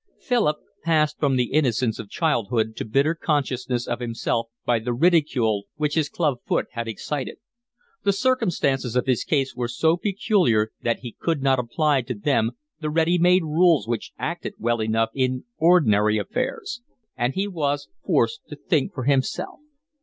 Philip passed from the innocence of childhood to bitter consciousness of himself by the ridicule which his club foot had excited. The circumstances of his case were so peculiar that he could not apply to them the ready made rules which acted well enough in ordinary affairs, and he was forced to think for himself.